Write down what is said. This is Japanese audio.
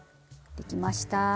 できました！